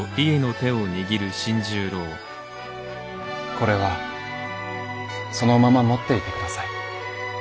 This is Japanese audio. これはそのまま持っていてください。